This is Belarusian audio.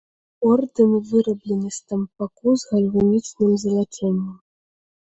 Ордэн выраблены з тампаку з гальванічным залачэннем.